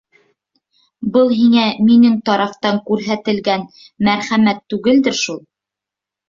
— Был һиңә минең тарафтан күрһәтелгән мәрхәмәт түгелдер шул?